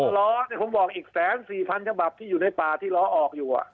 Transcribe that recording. หรอผมบอกอีกแสน๔๐๐๐กระบาดที่อยู่ในป่าที่เราออกอยู่